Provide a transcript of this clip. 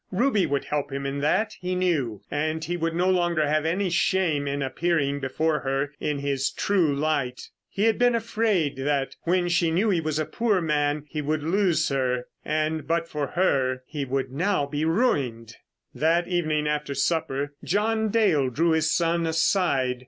Ruby would help him in that, he knew, and he would no longer have any shame in appearing before her in his true light. He had been afraid that when she knew he was a poor man he would lose her. And but for her he would now be ruined! That evening after supper John Dale drew his son aside.